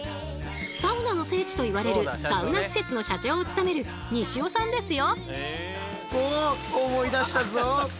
サウナの聖地といわれるサウナ施設の社長を務める西生さんですよ！